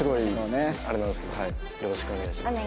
よろしくお願いします。